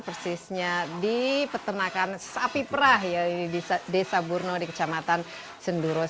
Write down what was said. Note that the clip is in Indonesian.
persisnya di peternakan sapi perah ya di desa burno di kecamatan senduro